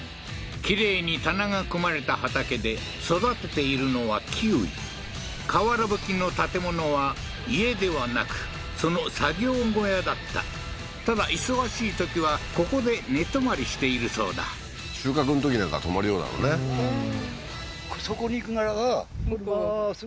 きれいに棚が組まれた畑で育てているのはキウイ瓦ぶきの建物は家ではなくその作業小屋だったただ忙しいときはここで寝泊まりしているそうだ収穫のときなんか泊まる用だろうねうん